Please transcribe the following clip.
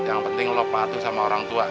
yang penting lo patuh sama orang tua